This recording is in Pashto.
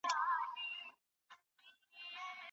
آیا پخپله زده کړه له رسمي زده کړي سره توپیر لري؟